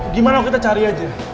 gimana kita cari aja